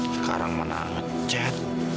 sekarang menanget chat